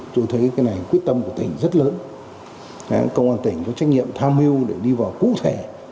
tôi thấy cái này quyết tâm của tỉnh rất lớn công an tỉnh có trách nhiệm tham hưu để đi vào cụ thể